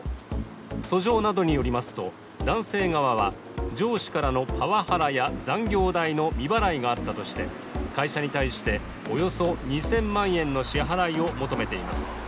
訴状などによりますと、男性側は上司からのパワハラや残業代の未払いがあったとして会社に対して、およそ２０００万円の支払いを求めています。